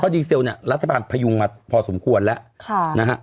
ดีเซลเนี่ยรัฐบาลพยุงมาพอสมควรแล้วนะฮะ